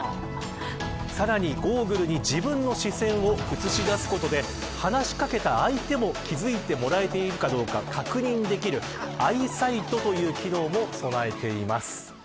さらに、ゴーグルに自分の視線を映し出すことで話し掛けた相手も気付いてもらえているかどうか確認できるアイサイトという機能も備えています。